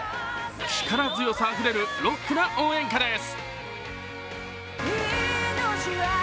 力強さあふれるロックな応援歌です。